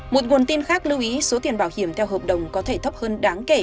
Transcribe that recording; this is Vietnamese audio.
một nguồn tin khác lưu ý số tiền bảo hiểm theo hợp đồng có thể thấp hơn đáng kể